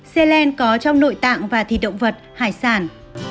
xelene có trong nội tạng và thịt động vật hải sản